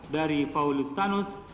dari paulus tanus